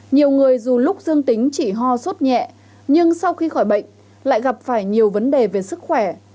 nhiều người dù lúc dương tính chỉ ho sốt nhẹ nhưng sau khi khỏi bệnh lại gặp phải nhiều vấn đề về sức khỏe